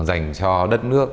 dành cho đất nước